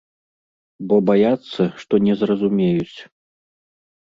Бо баяцца, што не зразумеюць.